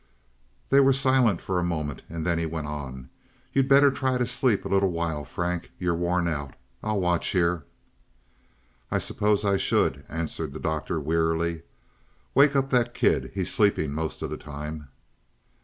They were silent for a moment, and then he went on: "You'd better try to sleep a little while, Frank. You're worn out. I'll watch here." "I suppose I should," answered the Doctor wearily. "Wake up that kid, he's sleeping most of the time."